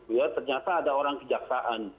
ya ternyata ada orang kejaksaan